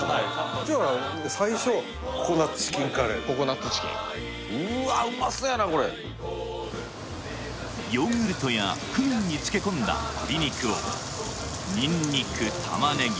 最初ココナッツチキンカレーココナッツチキンうわうまそやなこれヨーグルトやクミンに漬け込んだ鶏肉をニンニク玉ネギ